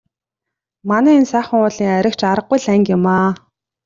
Манай энэ Сайхан уулын айраг ч аргагүй л анги юмаа.